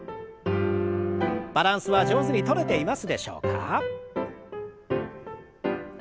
バランスは上手にとれていますでしょうか？